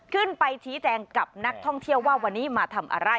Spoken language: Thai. ขึ้นไปชี้แจงกับนักท่องเที่ยวว่าวันนี้มาทำอะไร